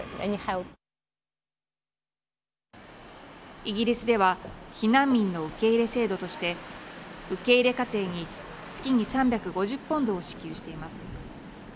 イギリスでは避難民の受け入れ制度として受け入れ家庭に月に３５０ポンドを支給しています。